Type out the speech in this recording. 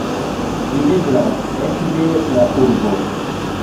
Videblas ekde la urbo.